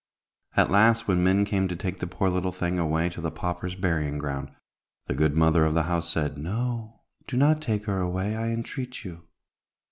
At last, when men came to take the poor little thing away to the paupers' burying ground, the good mother of the house said, "No, do not take her away, I entreat you."